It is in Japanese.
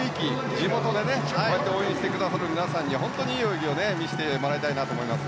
地元で応援してくださる皆さんに本当にいい泳ぎを見せてほしいなと思います。